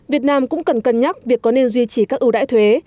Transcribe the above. việt nam cũng cần cân nhắc việc có nên duy trì các ưu đãi thuế